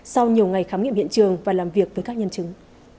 sau nhiều ngày khám nghiệm hiện trường và làm việc với các nhân chứng